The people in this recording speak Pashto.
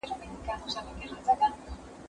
زه اوس سينه سپين کوم.